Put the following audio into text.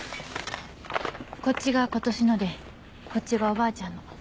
こっちがことしのでこっちがおばあちゃんの。